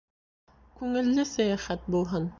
Күңелле сәйәхәт булһын